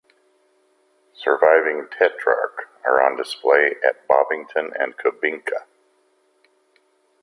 Surviving Tetrarch are on display at Bovington and Kubinka.